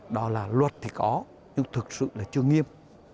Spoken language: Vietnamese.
đó là luật thì có nhưng thực sự là chưa nghiêm